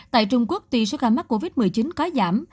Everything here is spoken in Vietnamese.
tại trung quốc tuy số ca mắc covid một mươi chín có giảm